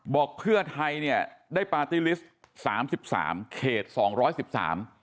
บอกเพื่อไทยเนี่ยได้ปาร์ตี้ลิสต์สามสิบสามเขตสองร้อยสิบสาม